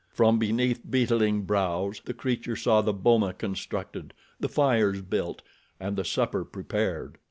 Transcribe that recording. From beneath beetling brows the creature saw the boma constructed, the fires built, and the supper prepared.